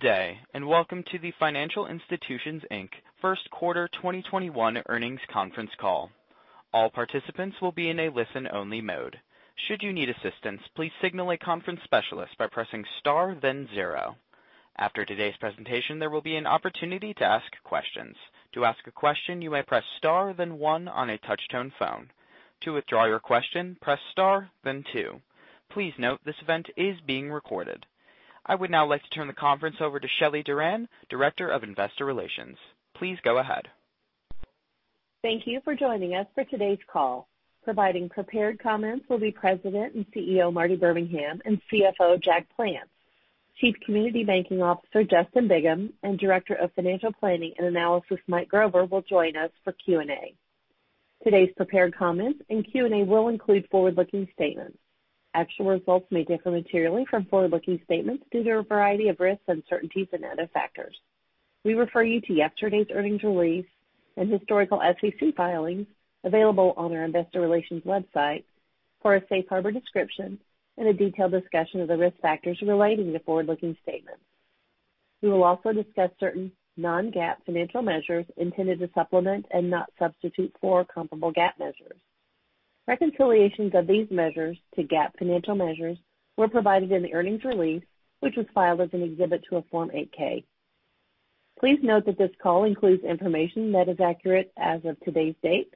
Good day, and welcome to the Financial Institutions, Inc. First Quarter 2021 Earnings Conference Call. All participants will be in a listen-only mode. Should you need assistance, please signal a conference specialist by pressing star then zero. After today's presentation, there will be an opportunity to ask questions. To ask a question, you may press star then one on a touch-tone phone. To withdraw your question, press star then two. Please note this event is being recorded. I would now like to turn the conference over to Shelly Doran, Director of Investor Relations. Please go ahead. Thank you for joining us for today's call. Providing prepared comments will be President and CEO, Marty Birmingham, and CFO, Jack Plants. Chief Community Banking Officer, Justin Bigham, and Director of Financial Planning and Analysis, Mike Grover, will join us for Q&A. Today's prepared comments and Q&A will include forward-looking statements. Actual results may differ materially from forward-looking statements due to a variety of risks, uncertainties, and other factors. We refer you to yesterday's earnings release and historical SEC filings available on our investor relations website for a safe harbor description and a detailed discussion of the risk factors relating to forward-looking statements. We will also discuss certain non-GAAP financial measures intended to supplement and not substitute for comparable GAAP measures. Reconciliations of these measures to GAAP financial measures were provided in the earnings release, which was filed as an exhibit to a Form 8-K. Please note that this call includes information that is accurate as of today's date,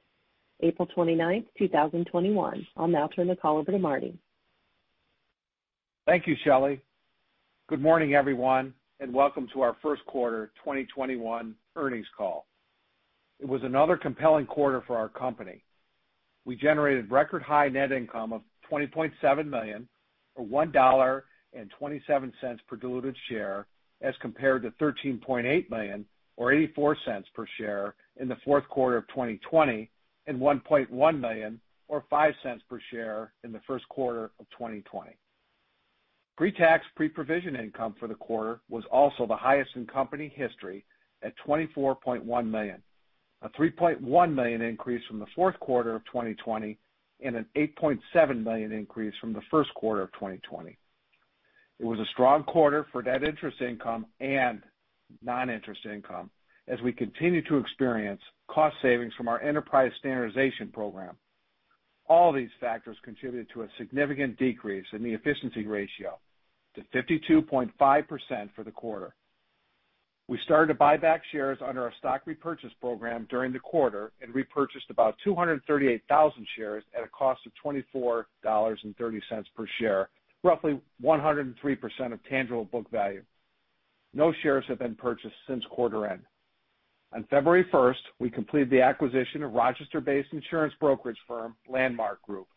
April 29th, 2021. I'll now turn the call over to Marty. Thank you, Shelly. Good morning, everyone, and welcome to our first quarter 2021 Earnings Call. It was another compelling quarter for our company. We generated record-high net income of $20.7 million, or 1.27 per diluted share, as compared to $13.8 million, or 0.84 per share in the fourth quarter of 2020 and $1.1 million, or 0.05 per share in the first quarter of 2020. Pre-tax pre-provision income for the quarter was also the highest in company history at $24.1 million, a 3.1 million increase from the fourth quarter of 2020 and an $8.7 million increase from the first quarter of 2020. It was a strong quarter for net interest income and non-interest income as we continue to experience cost savings from our Enterprise Standardization Program. All these factors contributed to a significant decrease in the efficiency ratio to 52.5% for the quarter. We started to buy back shares under our stock repurchase program during the quarter and repurchased about 238,000 shares at a cost of $24.30 per share, roughly 103% of tangible book value. No shares have been purchased since quarter end. On February 1st, we completed the acquisition of Rochester-based insurance brokerage firm, Landmark Group.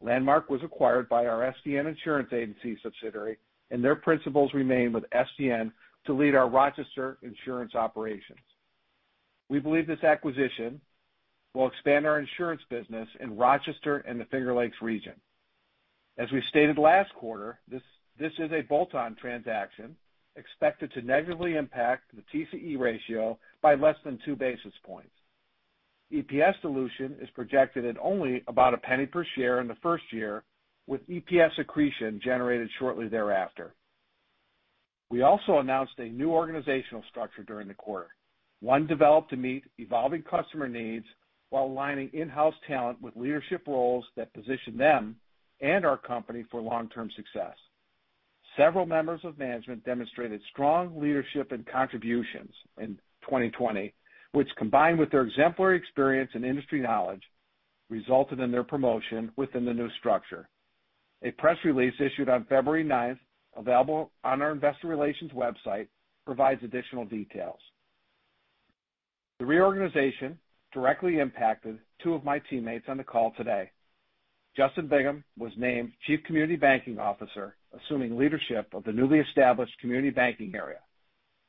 Landmark was acquired by our SDN Insurance Agency subsidiary, and their principals remain with SDN to lead our Rochester insurance operations. We believe this acquisition will expand our insurance business in Rochester and the Finger Lakes region. As we stated last quarter, this is a bolt-on transaction expected to negatively impact the TCE ratio by less than two basis points. EPS dilution is projected at only about $0.01 per share in the first year, with EPS accretion generated shortly thereafter. We also announced a new organizational structure during the quarter, one developed to meet evolving customer needs while aligning in-house talent with leadership roles that position them and our company for long-term success. Several members of management demonstrated strong leadership and contributions in 2020, which, combined with their exemplary experience and industry knowledge, resulted in their promotion within the new structure. A press release issued on February 9th, available on our investor relations website, provides additional details. The reorganization directly impacted two of my teammates on the call today. Justin Bigham was named Chief Community Banking Officer, assuming leadership of the newly established community banking area.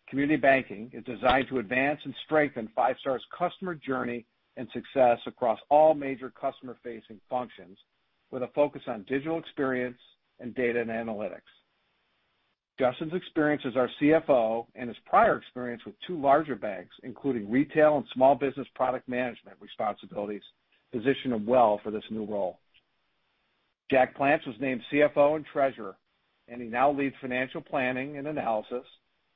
Community banking is designed to advance and strengthen Five Star's customer journey and success across all major customer-facing functions with a focus on digital experience and data and analytics. Justin's experience as our CFO and his prior experience with two larger banks, including retail and small business product management responsibilities, position him well for this new role. Jack Plants was named CFO and Treasurer, and he now leads financial planning and analysis,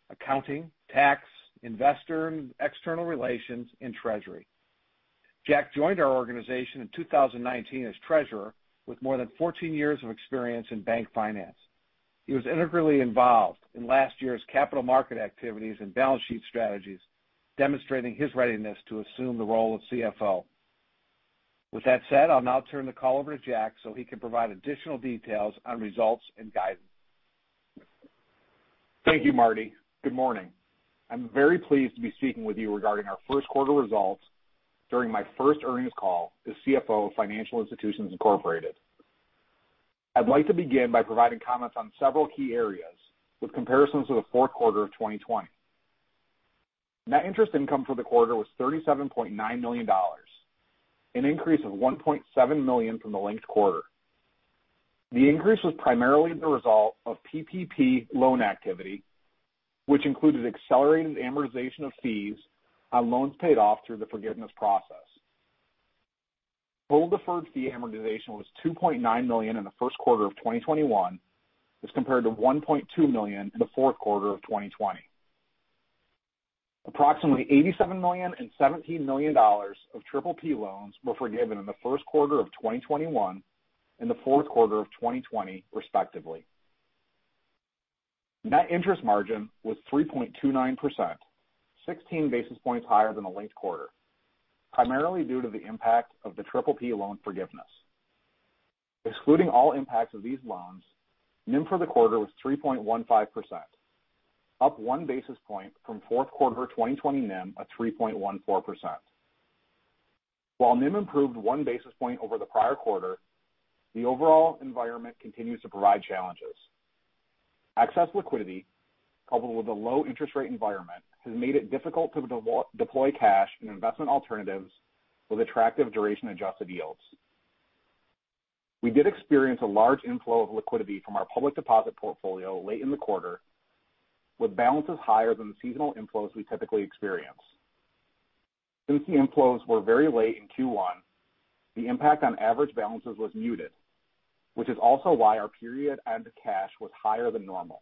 accounting, tax, investor and external relations, and treasury. Jack joined our organization in 2019 as Treasurer with more than 14 years of experience in bank finance. He was integrally involved in last year's capital market activities and balance sheet strategies, demonstrating his readiness to assume the role of CFO. With that said, I'll now turn the call over to Jack so he can provide additional details on results and guidance. Thank you, Marty. Good morning. I'm very pleased to be speaking with you regarding our first quarter results during my first earnings call as CFO of Financial Institutions, Incorporated. I'd like to begin by providing comments on several key areas with comparisons to the fourth quarter of 2020. Net interest income for the quarter was $37.9 million, an increase of 1.7 million from the linked quarter. The increase was primarily the result of PPP loan activity, which included accelerated amortization of fees on loans paid off through the forgiveness process. Total deferred fee amortization was $2.9 million in the first quarter of 2021 as compared to $1.2 million in the fourth quarter of 2020. Approximately $87 million and 17 million of PPP loans were forgiven in the first quarter of 2021 and the fourth quarter of 2020, respectively. Net interest margin was 3.29%, 16 basis points higher than the linked quarter, primarily due to the impact of the PPP loan forgiveness. Excluding all impacts of these loans, NIM for the quarter was 3.15%, up one basis point from fourth quarter 2020 NIM of 3.14%. While NIM improved one basis point over the prior quarter, the overall environment continues to provide challenges. Excess liquidity, coupled with a low interest rate environment, has made it difficult to deploy cash and investment alternatives with attractive duration-adjusted yields. We did experience a large inflow of liquidity from our public deposit portfolio late in the quarter with balances higher than the seasonal inflows we typically experience. Since the inflows were very late in Q1, the impact on average balances was muted, which is also why our period end cash was higher than normal.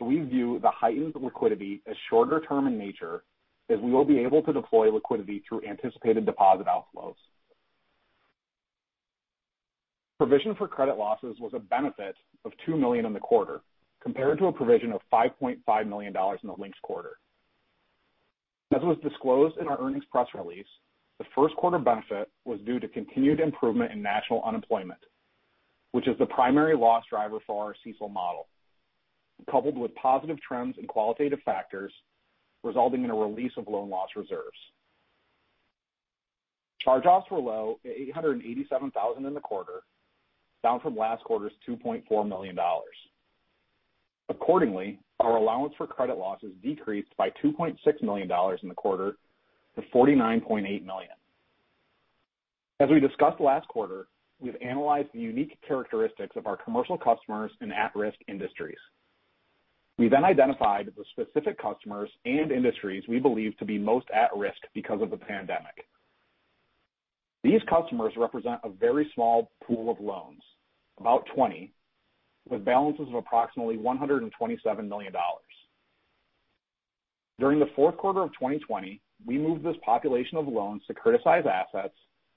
We view the heightened liquidity as shorter term in nature as we will be able to deploy liquidity through anticipated deposit outflows. Provision for credit losses was a benefit of $2 million in the quarter, compared to a provision of $5.5 million in the linked quarter. As was disclosed in our earnings press release, the first quarter benefit was due to continued improvement in national unemployment, which is the primary loss driver for our CECL model, coupled with positive trends in qualitative factors, resulting in a release of loan loss reserves. Charge-offs were low at 887,000 in the quarter, down from last quarter's $2.4 million. Accordingly, our allowance for credit losses decreased by $2.6 million in the quarter to $49.8 million. As we discussed last quarter, we've analyzed the unique characteristics of our commercial customers and at-risk industries. We then identified the specific customers and industries we believe to be most at risk because of the pandemic. These customers represent a very small pool of loans, about 20, with balances of approximately $127 million. During the fourth quarter of 2020, we moved this population of loans to criticized assets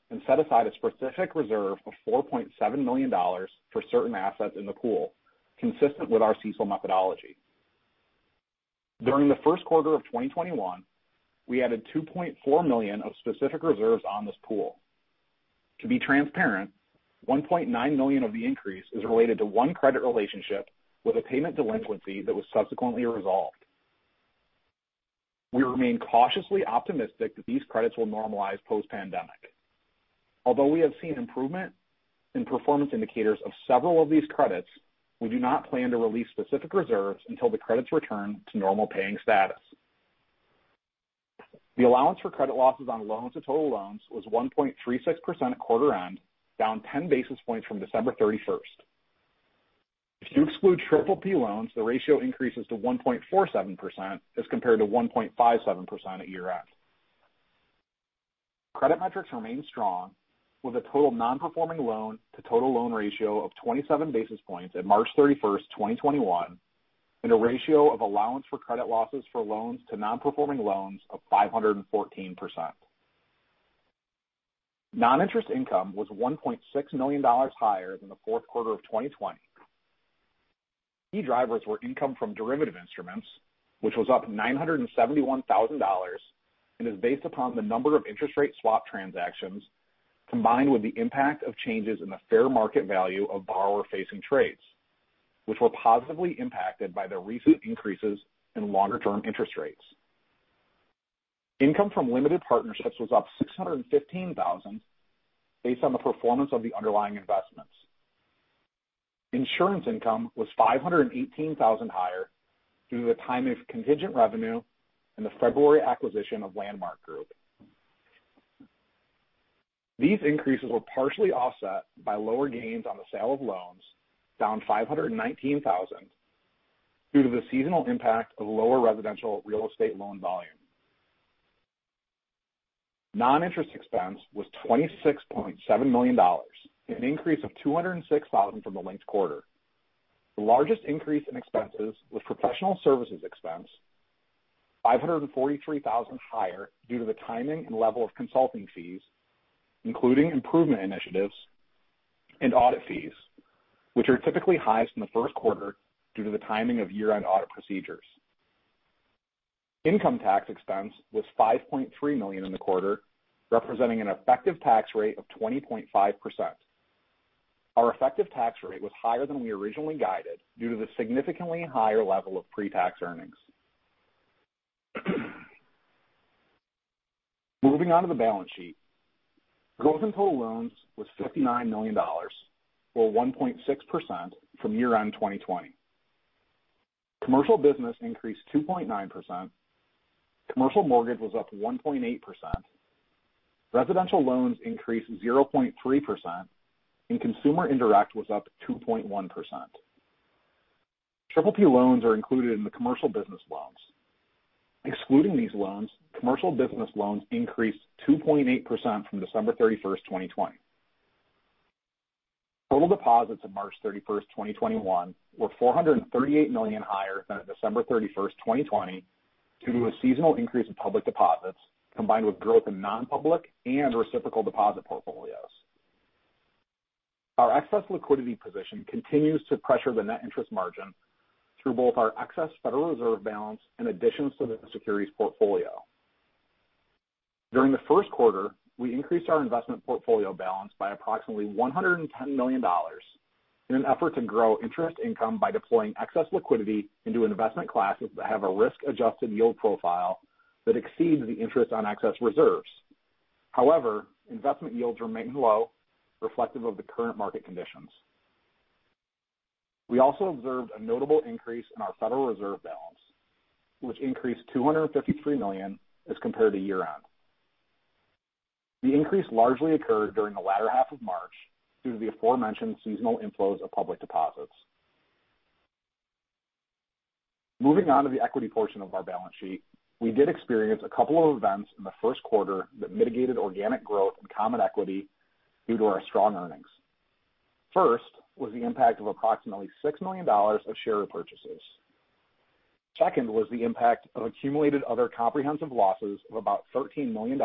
and set aside a specific reserve of $4.7 million for certain assets in the pool, consistent with our CECL methodology. During the first quarter of 2021, we added $2.4 million of specific reserves on this pool. To be transparent, $1.9 million of the increase is related to one credit relationship with a payment delinquency that was subsequently resolved. We remain cautiously optimistic that these credits will normalize post-pandemic. Although we have seen improvement in performance indicators of several of these credits, we do not plan to release specific reserves until the credits return to normal paying status. The allowance for credit losses on loans to total loans was 1.36% at quarter end, down 10 basis points from December 31st. If you exclude PPP loans, the ratio increases to 1.47% as compared to 1.57% at year-end. Credit metrics remain strong with a total non-performing loan to total loan ratio of 27 basis points at March 31st, 2021, and a ratio of allowance for credit losses for loans to non-performing loans of 514%. Non-interest income was $1.6 million higher than the fourth quarter of 2020. Key drivers were income from derivative instruments, which was up $971,000 and is based upon the number of interest rate swap transactions combined with the impact of changes in the fair market value of borrower-facing trades, which were positively impacted by the recent increases in longer-term interest rates. Income from limited partnerships was up $615,000 based on the performance of the underlying investments. Insurance income was $518,000 higher due to the timing of contingent revenue and the February acquisition of Landmark Group. These increases were partially offset by lower gains on the sale of loans, down $519 thousand due to the seasonal impact of lower residential real estate loan volume. Non-interest expense was $26.7 million, an increase of $206,000 from the linked quarter. The largest increase in expenses was professional services expense, $543.000 higher due to the timing and level of consulting fees, including improvement initiatives and audit fees, which are typically highest in the first quarter due to the timing of year-end audit procedures. Income tax expense was $5.3 million in the quarter, representing an effective tax rate of 20.5%. Our effective tax rate was higher than we originally guided due to the significantly higher level of pre-tax earnings. Moving on to the balance sheet. Growth in total loans was $59 million, or 1.6% from year-end 2020. Commercial business increased 2.9%, commercial mortgage was up 1.8%. Residential loans increased 0.3%, and consumer indirect was up 2.1%. PPP loans are included in the commercial business loans. Excluding these loans, commercial business loans increased 2.8% from December 31st, 2020. Total deposits of March 31st, 2021 were $438 million higher than at December 31st, 2020 due to a seasonal increase in public deposits, combined with growth in non-public and reciprocal deposit portfolios. Our excess liquidity position continues to pressure the net interest margin through both our excess Federal Reserve balance and additions to the securities portfolio. During the first quarter, we increased our investment portfolio balance by approximately $110 million in an effort to grow interest income by deploying excess liquidity into investment classes that have a risk-adjusted yield profile that exceeds the interest on excess reserves. Investment yields remain low, reflective of the current market conditions. We also observed a notable increase in our Federal Reserve balance, which increased $253 million as compared to year-end. The increase largely occurred during the latter half of March due to the aforementioned seasonal inflows of public deposits. Moving on to the equity portion of our balance sheet, we did experience a couple of events in the first quarter that mitigated organic growth in common equity due to our strong earnings. First was the impact of approximately $6 million of share repurchases. Second was the impact of accumulated other comprehensive losses of about $13 million,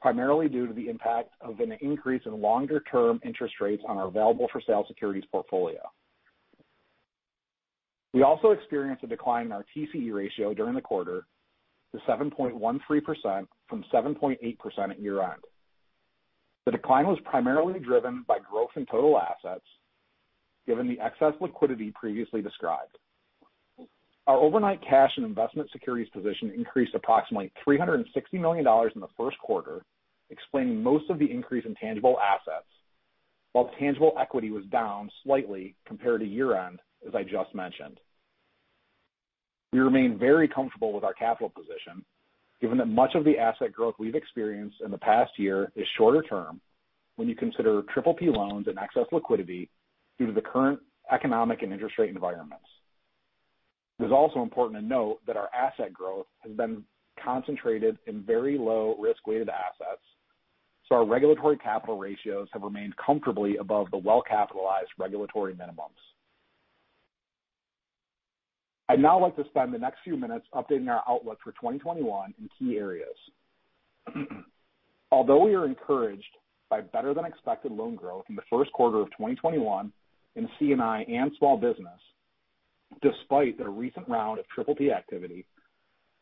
primarily due to the impact of an increase in longer-term interest rates on our available-for-sale securities portfolio. We also experienced a decline in our TCE ratio during the quarter to 7.13% from 7.8% at year-end. The decline was primarily driven by growth in total assets given the excess liquidity previously described. Our overnight cash and investment securities position increased approximately $360 million in the first quarter, explaining most of the increase in tangible assets, while tangible equity was down slightly compared to year-end, as I just mentioned. We remain very comfortable with our capital position, given that much of the asset growth we've experienced in the past year is shorter term when you consider PPP loans and excess liquidity due to the current economic and interest rate environments. It is also important to note that our asset growth has been concentrated in very low risk-weighted assets, so our regulatory capital ratios have remained comfortably above the well-capitalized regulatory minimums. I'd now like to spend the next few minutes updating our outlook for 2021 in key areas. Although we are encouraged by better-than-expected loan growth in the first quarter of 2021 in C&I and small business, despite the recent round of PPP activity,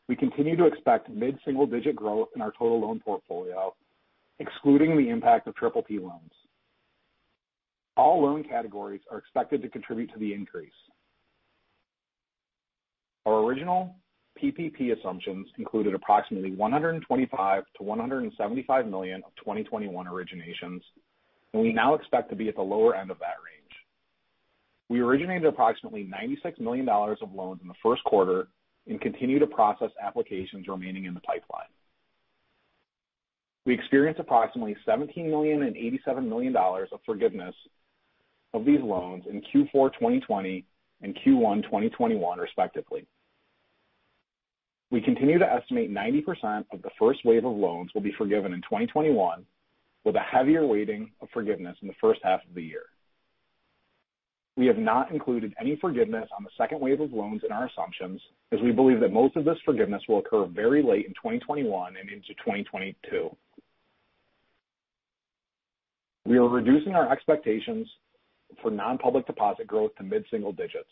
we continue to expect mid-single-digit growth in our total loan portfolio, excluding the impact of PPP loans. All loan categories are expected to contribute to the increase. Our original PPP assumptions included approximately $125 million-175 million of 2021 originations, we now expect to be at the lower end of that range. We originated approximately $96 million of loans in the first quarter and continue to process applications remaining in the pipeline. We experienced approximately $17 million and 87 million of forgiveness of these loans in Q4 2020 and Q1 2021, respectively. We continue to estimate 90% of the first wave of loans will be forgiven in 2021, with a heavier weighting of forgiveness in the first half of the year. We have not included any forgiveness on the second wave of loans in our assumptions, as we believe that most of this forgiveness will occur very late in 2021 and into 2022. We are reducing our expectations for non-public deposit growth to mid-single digits.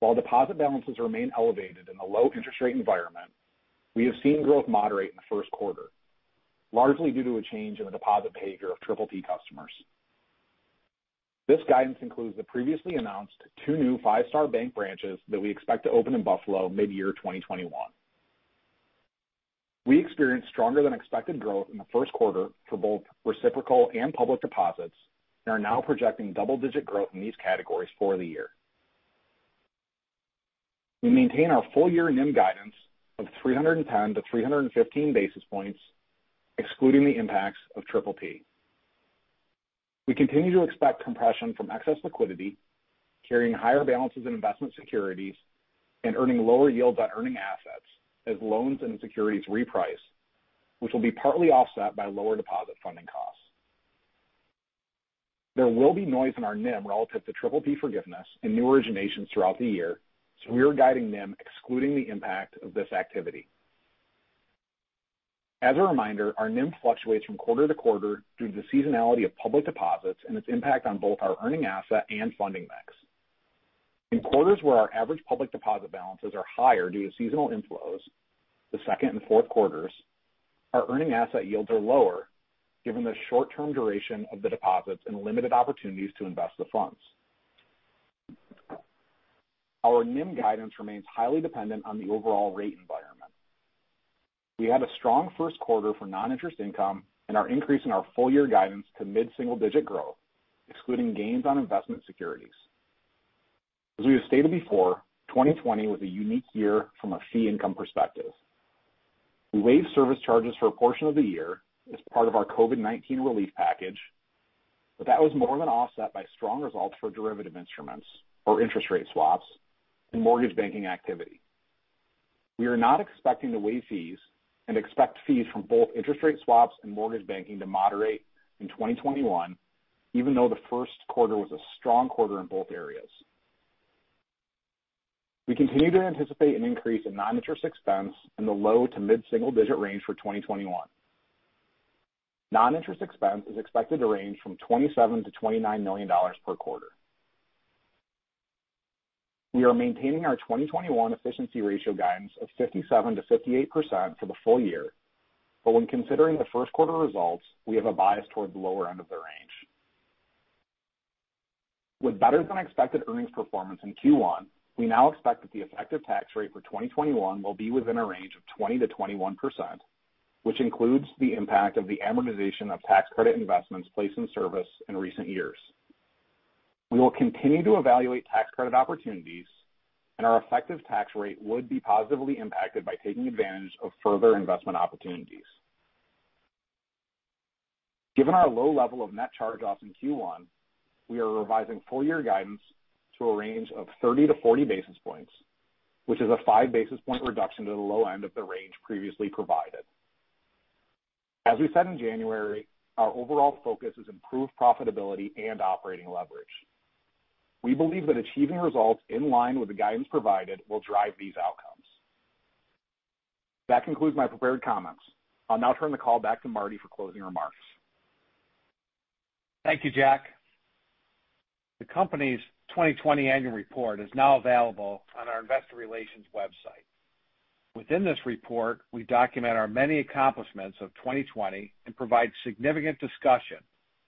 While deposit balances remain elevated in the low interest rate environment, we have seen growth moderate in the first quarter, largely due to a change in the deposit [inaudible] of PPP customers. This guidance includes the previously announced two new Five Star Bank branches that we expect to open in Buffalo mid-year 2021. We experienced stronger-than-expected growth in the first quarter for both reciprocal and public deposits and are now projecting double-digit growth in these categories for the year. We maintain our full-year NIM guidance of 310-315 basis points, excluding the impacts of PPP. We continue to expect compression from excess liquidity, carrying higher balances in investment securities, and earning lower yields on earning assets as loans and securities reprice, which will be partly offset by lower deposit funding costs. There will be noise in our NIM relative to PPP forgiveness and new originations throughout the year. We are guiding NIM excluding the impact of this activity. As a reminder, our NIM fluctuates from quarter to quarter due to the seasonality of public deposits and its impact on both our earning asset and funding mix. In quarters where our average public deposit balances are higher due to seasonal inflows, the second and fourth quarters, our earning asset yields are lower given the short-term duration of the deposits and limited opportunities to invest the funds. Our NIM guidance remains highly dependent on the overall rate environment. We had a strong first quarter for non-interest income and are increasing our full-year guidance to mid-single-digit growth, excluding gains on investment securities. As we have stated before, 2020 was a unique year from a fee income perspective. We waived service charges for a portion of the year as part of our COVID-19 relief package, but that was more than offset by strong results for derivative instruments or interest rate swaps and mortgage banking activity. We are not expecting to waive fees and expect fees from both interest rate swaps and mortgage banking to moderate in 2021, even though the first quarter was a strong quarter in both areas. We continue to anticipate an increase in non-interest expense in the low to mid-single digit range for 2021. Non-interest expense is expected to range from $27 million-29 million per quarter. We are maintaining our 2021 efficiency ratio guidance of 57%-58% for the full year. When considering the first quarter results, we have a bias towards the lower end of the range. With better than expected earnings performance in Q1, we now expect that the effective tax rate for 2021 will be within a range of 20%-21%, which includes the impact of the amortization of tax credit investments placed in service in recent years. We will continue to evaluate tax credit opportunities and our effective tax rate would be positively impacted by taking advantage of further investment opportunities. Given our low level of net charge-offs in Q1, we are revising full-year guidance to a range of 30 basis points to 40 basis points, which is a five basis point reduction to the low end of the range previously provided. As we said in January, our overall focus is improved profitability and operating leverage. We believe that achieving results in line with the guidance provided will drive these outcomes. That concludes my prepared comments. I'll now turn the call back to Marty for closing remarks. Thank you, Jack. The company's 2020 annual report is now available on our investor relations website. Within this report, we document our many accomplishments of 2020 and provide significant discussion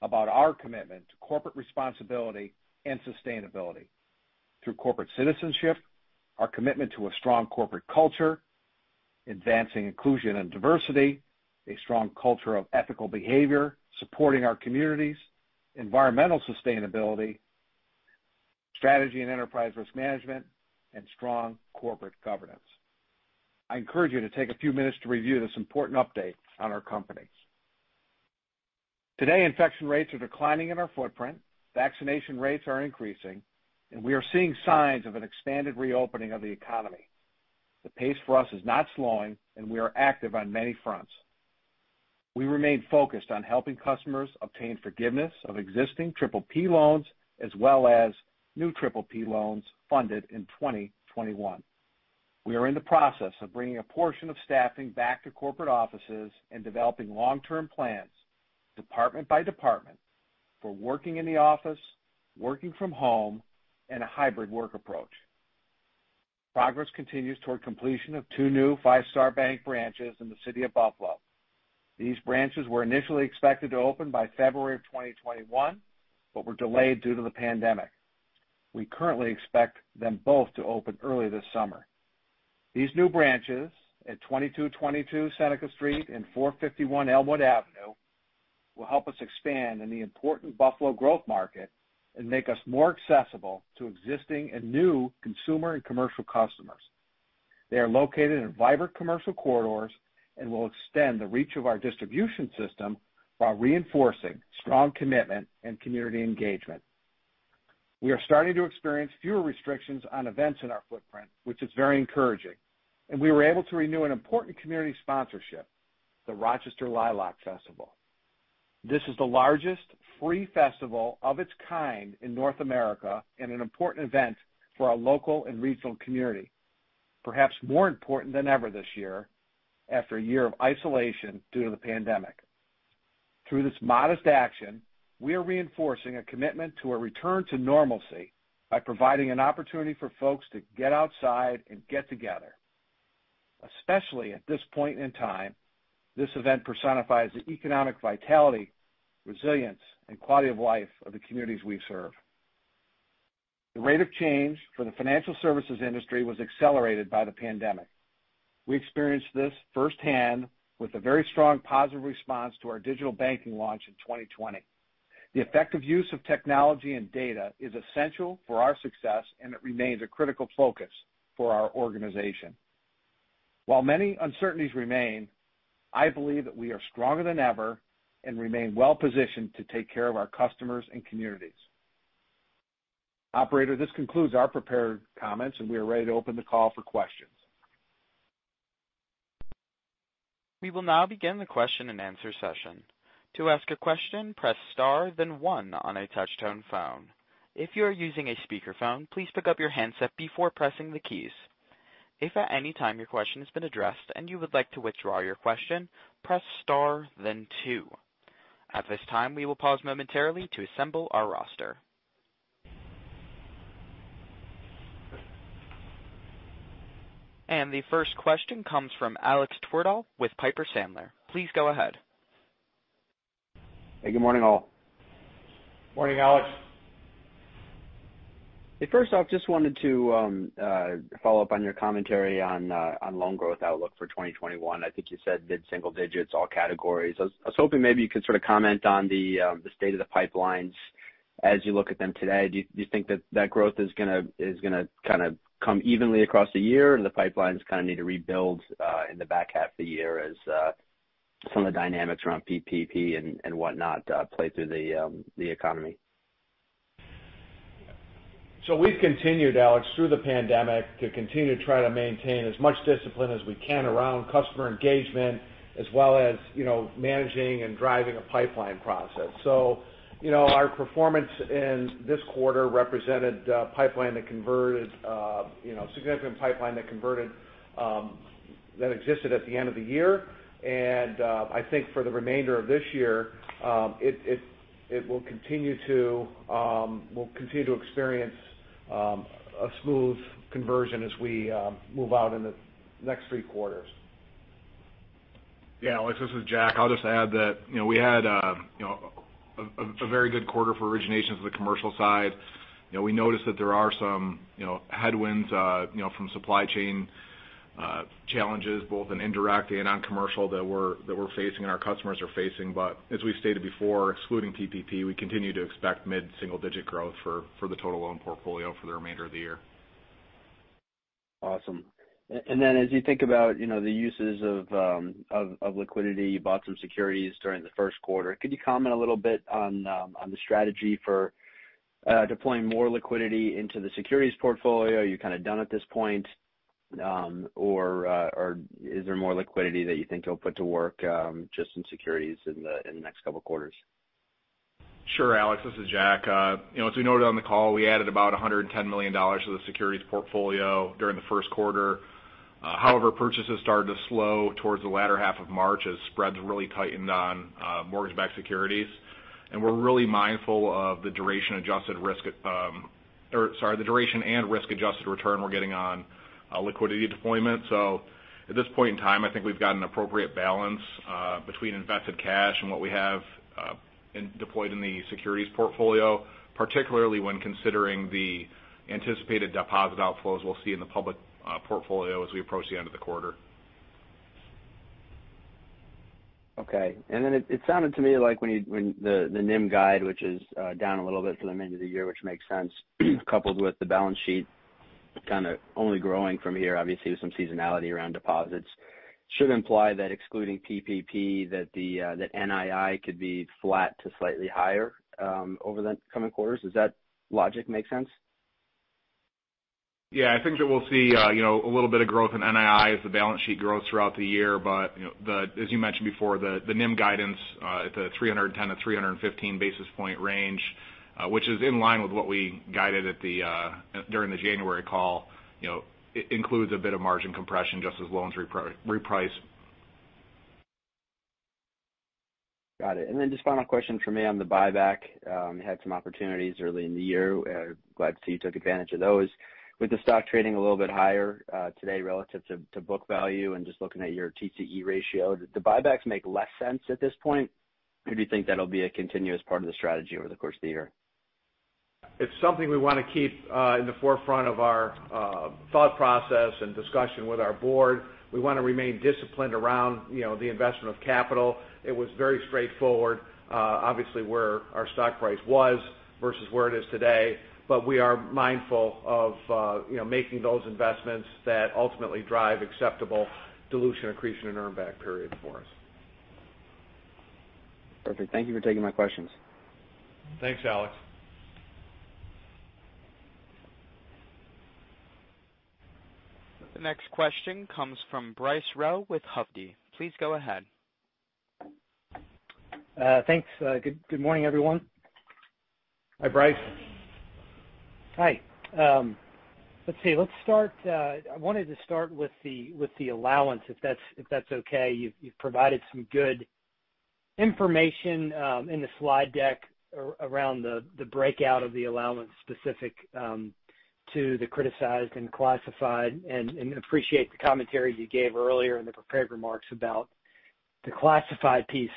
about our commitment to corporate responsibility and sustainability through corporate citizenship, our commitment to a strong corporate culture, advancing inclusion and diversity, a strong culture of ethical behavior, supporting our communities, environmental sustainability, strategy and enterprise risk management, and strong corporate governance. I encourage you to take a few minutes to review this important update on our company. Today, infection rates are declining in our footprint, vaccination rates are increasing, and we are seeing signs of an expanded reopening of the economy. The pace for us is not slowing, and we are active on many fronts. We remain focused on helping customers obtain forgiveness of existing PPP loans, as well as new PPP loans funded in 2021. We are in the process of bringing a portion of staffing back to corporate offices and developing long-term plans, department by department, for working in the office, working from home, and a hybrid work approach. Progress continues toward completion of two new Five Star Bank branches in the city of Buffalo. These branches were initially expected to open by February of 2021 but were delayed due to the pandemic. We currently expect them both to open early this summer. These new branches at 2222 Seneca Street and 451 Elmwood Avenue will help us expand in the important Buffalo growth market and make us more accessible to existing and new consumer and commercial customers. They are located in vibrant commercial corridors and will extend the reach of our distribution system while reinforcing strong commitment and community engagement. We are starting to experience fewer restrictions on events in our footprint, which is very encouraging, and we were able to renew an important community sponsorship, the Rochester Lilac Festival. This is the largest free festival of its kind in North America and an important event for our local and regional community. Perhaps more important than ever this year, after a year of isolation due to the pandemic. Through this modest action, we are reinforcing a commitment to a return to normalcy by providing an opportunity for folks to get outside and get together. Especially at this point in time, this event personifies the economic vitality, resilience, and quality of life of the communities we serve. The rate of change for the financial services industry was accelerated by the pandemic. We experienced this firsthand with a very strong positive response to our digital banking launch in 2020. The effective use of technology and data is essential for our success, and it remains a critical focus for our organization. While many uncertainties remain, I believe that we are stronger than ever and remain well-positioned to take care of our customers and communities. Operator, this concludes our prepared comments, and we are ready to open the call for questions. We will now begin the question and answer session. To ask a question, press star then one on a touch-tone phone. If you are using a speakerphone, please pick up your handset before pressing the keys. If at any time your question has been addressed and you would like to withdraw your question, press star then two. At this time, we will pause momentarily to assemble our roster. The first question comes from Alex Twerdahl with Piper Sandler. Please go ahead. Hey, good morning, all. Morning, Alex. Hey, first off, just wanted to follow up on your commentary on loan growth outlook for 2021. I think you said mid-single digits, all categories. I was hoping maybe you could sort of comment on the state of the pipelines? As you look at them today, do you think that that growth is going to come evenly across the year and the pipelines kind of need to rebuild in the back half of the year as some of the dynamics around PPP and whatnot play through the economy? We've continued, Alex, through the pandemic to continue to try to maintain as much discipline as we can around customer engagement as well as managing and driving a pipeline process. Our performance in this quarter represented a significant pipeline that converted that existed at the end of the year. I think for the remainder of this year, we'll continue to experience a smooth conversion as we move out in the next three quarters. Yeah, Alex, this is Jack. I'll just add that we had a very good quarter for originations on the commercial side. We noticed that there are some headwinds from supply chain challenges, both in indirect and on commercial that we're facing and our customers are facing. As we've stated before, excluding PPP, we continue to expect mid-single-digit growth for the total loan portfolio for the remainder of the year. Awesome. As you think about the uses of liquidity, you bought some securities during the first quarter. Could you comment a little bit on the strategy for deploying more liquidity into the securities portfolio? Are you kind of done at this point? Or is there more liquidity that you think you'll put to work just in securities in the next couple of quarters? Sure, Alex. This is Jack. As we noted on the call, we added about $110 million to the securities portfolio during the first quarter. Purchases started to slow towards the latter half of March as spreads really tightened on mortgage-backed securities. And we're really mindful of the duration and risk-adjusted return we're getting on liquidity deployment. So, at this point in time, I think we've got an appropriate balance between invested cash and what we have deployed in the securities portfolio, particularly when considering the anticipated deposit outflows we'll see in the public portfolio as we approach the end of the quarter. Okay. Then it sounded to me like when the NIM guide, which is down a little bit to the end of the year which makes sense, coupled with the balance sheet kind of only growing from here, obviously with some seasonality around deposits, should imply that excluding PPP, that NII could be flat to slightly higher over the coming quarters. Does that logic make sense? I think that we'll see a little bit of growth in NII as the balance sheet grows throughout the year. As you mentioned before, the NIM guidance at the 310 basis point to 315 basis point range, which is in line with what we guided during the January call, you know, includes a bit of margin compression just as loans reprice. Got it. Then just final question from me on the buyback. You had some opportunities early in the year. Glad to see you took advantage of those. With the stock trading a little bit higher today relative to book value and just looking at your TCE ratio, do the buybacks make less sense at this point? Or do you think that'll be a continuous part of the strategy over the course of the year? It's something we want to keep in the forefront of our thought process and discussion with our board. We want to remain disciplined around the investment of capital. It was very straightforward obviously where our stock price was versus where it is today. We are mindful of making those investments that ultimately drive acceptable dilution accretion and earn back periods for us. Perfect. Thank you for taking my questions. Thanks, Alex. The next question comes from Bryce Rowe with Hovde. Please go ahead. Thanks. Good morning, everyone. Hi, Bryce. Hi. Let's see. I wanted to start with the allowance, if that's okay. You've provided some good information in the slide deck around the breakout of the allowance specific to the criticized and classified, and appreciate the commentary you gave earlier in the prepared remarks about the classified piece.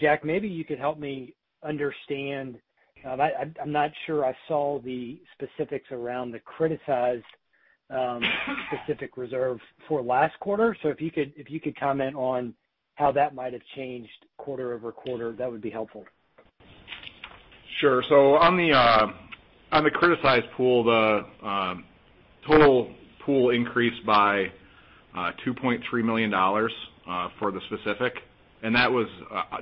Jack, maybe you could help me understand. I'm not sure I saw the specifics around the criticized specific reserve for last quarter. If you could comment on how that might have changed quarter-over-quarter, that would be helpful. Sure. On the criticized pool, the total pool increased by $2.3 million for the specific, and that was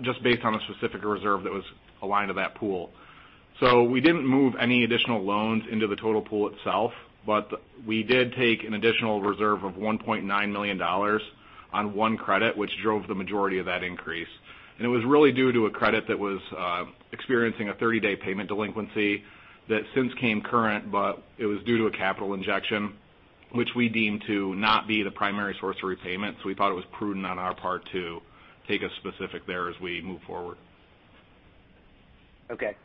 just based on a specific reserve that was aligned to that pool. So, we didn't move any additional loans into the total pool itself, but we did take an additional reserve of $1.9 million on one credit, which drove the majority of that increase. It was really due to a credit that was experiencing a 30-day payment delinquency that since came current, but it was due to a capital injection, which we deemed to not be the primary source of repayment. So, we thought it was prudent on our part to take a specific there as we move forward. Okay.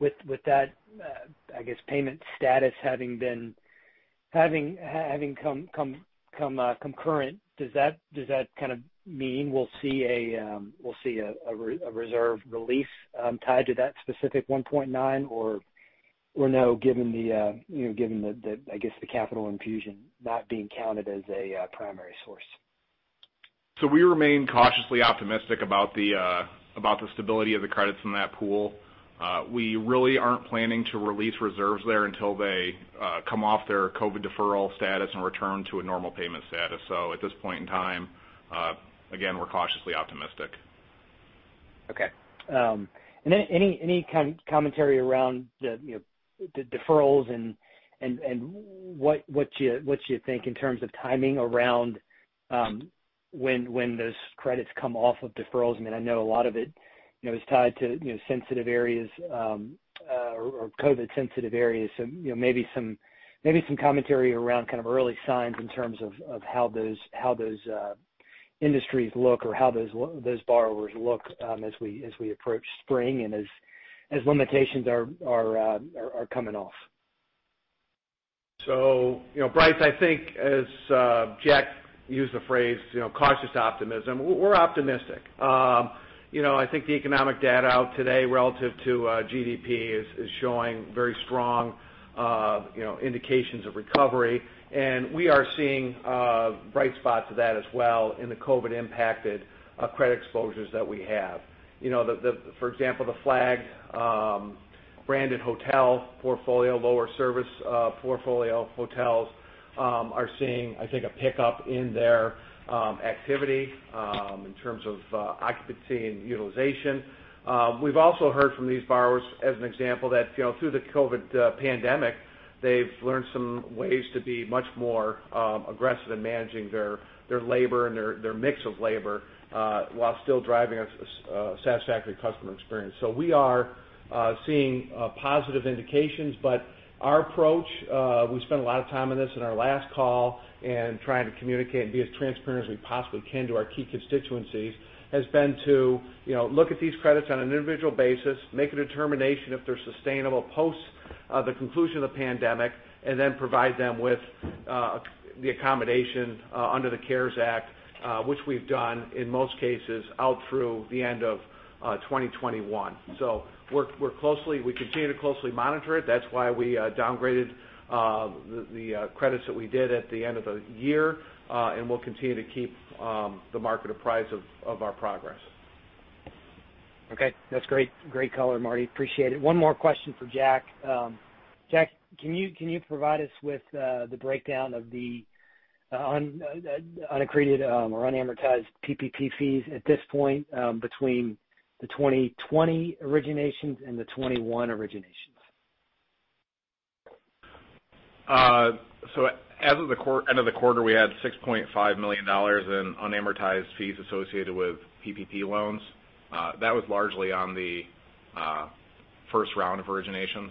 With that, I guess, payment status having come current, does that kind of mean we'll see a reserve release tied to that specific $1.9 million or no, given the capital infusion not being counted as a primary source? We remain cautiously optimistic about the stability of the credits in that pool. We really aren't planning to release reserves there until they come off their COVID deferral status and return to a normal payment status. At this point in time, again, we're cautiously optimistic. Any kind of commentary around the deferrals and what you think in terms of timing around when those credits come off of deferrals? I know a lot of it is tied to sensitive areas or COVID sensitive areas. Maybe some commentary around kind of early signs in terms of how those industries look or how those borrowers look as we approach spring and as limitations are coming off. Bryce, I think as Jack used the phrase, cautious optimism. We're optimistic. You know, I think the economic data out today relative to GDP is showing very strong indications of recovery, and we are seeing bright spots of that as well in the COVID-19-impacted credit exposures that we have. You know, for example, the flagged branded hotel portfolio, lower service portfolio hotels are seeing, I think, a pickup in their activity in terms of occupancy and utilization. We've also heard from these borrowers, as an example, that through the COVID-19 pandemic, they've learned some ways to be much more aggressive in managing their labor and their mix of labor while still driving a satisfactory customer experience. We are seeing positive indications, but our approach, we spent a lot of time on this in our last call and trying to communicate and be as transparent as we possibly can to our key constituencies, has been to look at these credits on an individual basis, make a determination if they're sustainable post the conclusion of the pandemic, and then provide them with the accommodation under the CARES Act, which we've done in most cases out through the end of 2021. We continue to closely monitor it. That's why we downgraded the credits that we did at the end of the year, and we'll continue to keep the market apprised of our progress. Okay. That's great color, Marty. Appreciate it. One more question for Jack. Jack, can you provide us with the breakdown of the unaccreted or unamortized PPP fees at this point between the 2020 originations and the 2021 originations? As of the end of the quarter, we had $6.5 million in unamortized fees associated with PPP loans. That was largely on the first round of originations.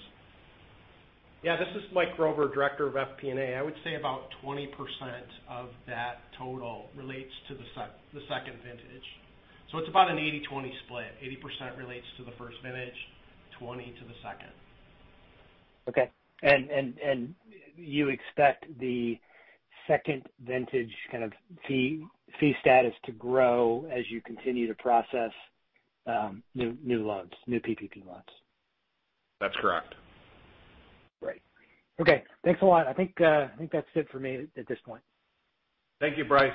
Yeah. This is Mike Grover, Director of FP&A. I would say about 20% of that total relates to the second vintage. It's about an 80/20 split. 80% relates to the first vintage, 20% to the second. Okay. You expect the second vintage kind of fee status to grow as you continue to process new loans, new PPP loans? That's correct. Great. Okay. Thanks a lot. I think that's it for me at this point. Thank you, Bryce.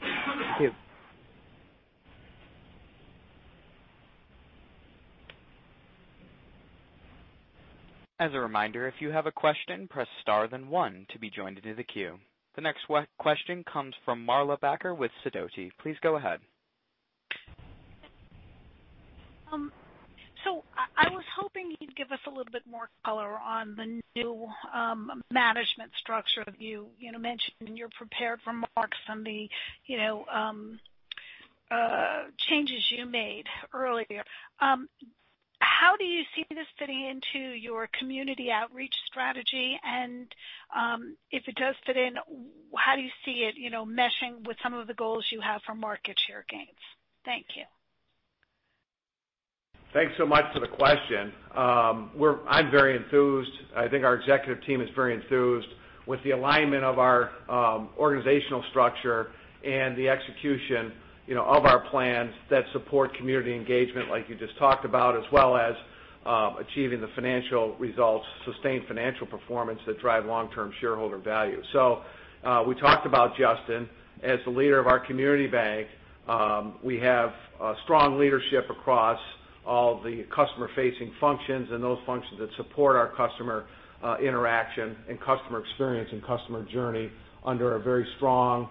Thank you. As a reminder, if you have a question, press star then one to be joined into the queue. The next question comes from Marla Backer with Sidoti. Please go ahead. I was hoping you'd give us a little bit more color on the new management structure you mentioned in your prepared remarks on the changes you made earlier. How do you see this fitting into your community outreach strategy? If it does fit in, how do you see it meshing with some of the goals you have for market share gains? Thank you. Thanks so much for the question. I'm very enthused. I think our executive team is very enthused with the alignment of our organizational structure and the execution of our plans that support community engagement like you just talked about, as well as achieving the financial results, sustained financial performance that drive long-term shareholder value. We talked about Justin as the leader of our community bank. We have strong leadership across all the customer-facing functions and those functions that support our customer interaction and customer experience and customer journey under a very strong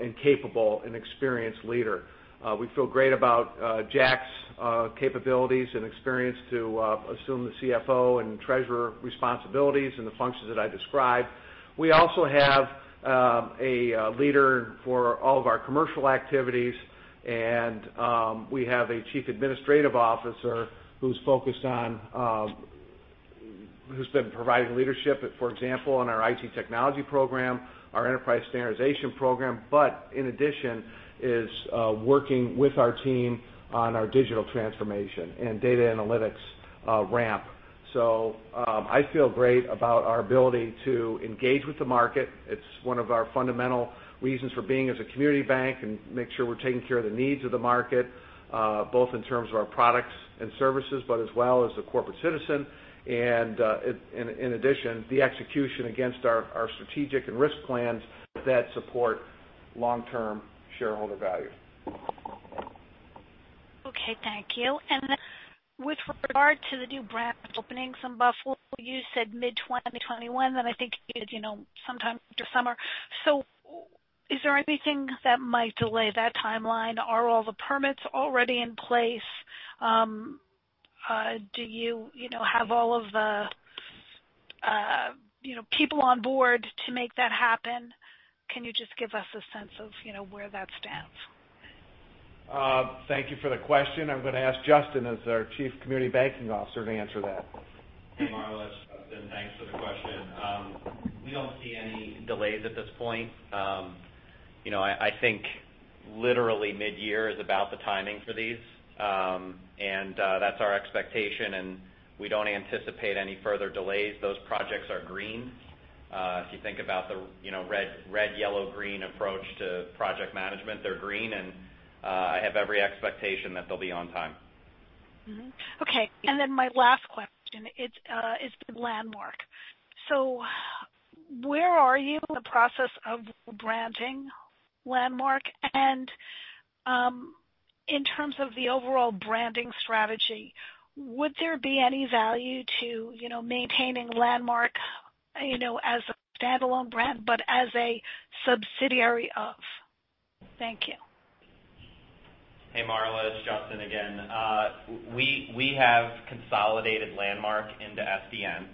and capable and experienced leader. We feel great about Jack's capabilities and experience to assume the CFO and Treasurer responsibilities and the functions that I described. We also have a leader for all of our commercial activities, and we have a Chief Administrative Officer who's been providing leadership, for example, on our IT technology program, our Enterprise Standardization Program, but in addition, is working with our team on our digital transformation and data analytics ramp. I feel great about our ability to engage with the market. It's one of our fundamental reasons for being as a community bank and make sure we're taking care of the needs of the market, both in terms of our products and services, but as well as the corporate citizen. In addition, the execution against our strategic and risk plans that support long-term shareholder value. Okay, thank you. With regard to the new branch openings in Buffalo, you said mid-2021, then I think you said sometime after summer. Is there anything that might delay that timeline? Are all the permits already in place? Do you have all of the people on board to make that happen? Can you just give us a sense of where that stands? Thank you for the question. I'm going to ask Justin, as our Chief Community Banking Officer, to answer that. Hey, Marla, it's Justin. Thanks for the question. We don't see any delays at this point. I think literally mid-year is about the timing for these. That's our expectation, and we don't anticipate any further delays. Those projects are green. If you think about the red, yellow, green approach to project management, they're green, and I have every expectation that they'll be on time. Okay. My last question is the Landmark. Where are you in the process of rebranding Landmark? In terms of the overall branding strategy, would there be any value to maintaining Landmark as a standalone brand but as a subsidiary of? Thank you. Hey, Marla, it's Justin again. We have consolidated Landmark into SDN.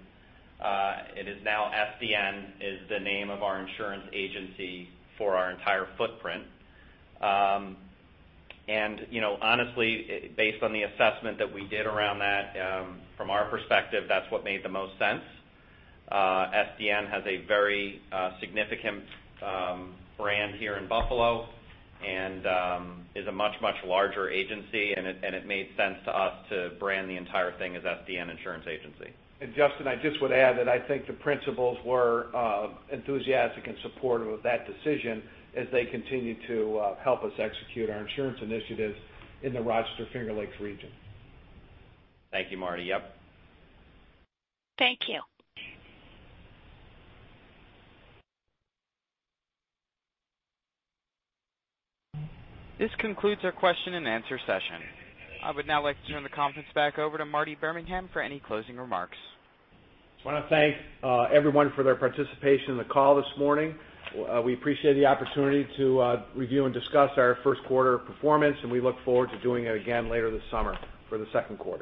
It is now SDN is the name of our insurance agency for our entire footprint. Honestly, based on the assessment that we did around that, from our perspective, that's what made the most sense. SDN has a very significant brand here in Buffalo and is a much, much larger agency, and it made sense to us to brand the entire thing as SDN Insurance Agency. Justin, I just would add that I think the principals were enthusiastic and supportive of that decision as they continue to help us execute our insurance initiatives in the Rochester Finger Lakes region. Thank you, Marty. Yep. Thank you. This concludes our question and answer session. I would now like to turn the conference back over to Marty Birmingham for any closing remarks. Want to thank everyone for their participation in the call this morning. We appreciate the opportunity to review and discuss our first quarter performance, and we look forward to doing it again later this summer for the second quarter.